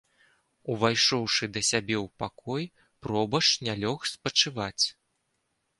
Увайшоўшы да сябе ў пакой, пробашч не лёг спачываць.